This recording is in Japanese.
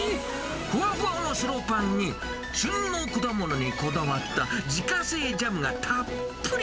ふわふわの白パンに、旬の果物にこだわった自家製ジャムがたっぷり。